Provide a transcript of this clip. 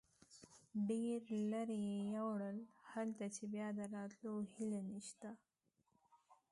ډېر لرې یې یوړل، هلته چې بیا د راتلو هیله نشته.